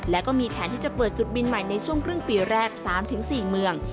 และก็มีแผนที่จะเปิดจุดบินใหม่ในช่วงครึ่งปีแรก๓๔เมือง